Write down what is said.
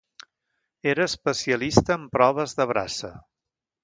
Era especialista en proves de braça.